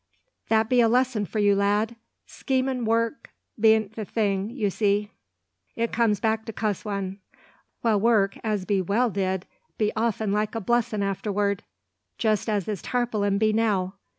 "That be a lesson for you, lad. Schemin' work bean't the thing, you see. It comes back to cuss one; while work as be well did be often like a blessin' arterward, just as this tarpolin be now.